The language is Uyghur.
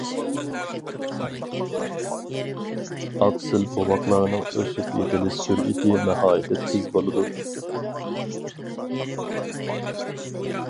ئاقسىل بوۋاقلارنىڭ ئۆسۈپ يېتىلىش سۈرئىتى ناھايىتى تېز بولىدۇ.